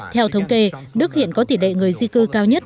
theo thống kê đức hiện có tỉ đệ người di cư cao nhất